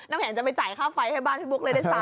น้ำแข็งจะไปจ่ายค่าไฟให้บ้านพี่บุ๊คเลยได้ซ้ำ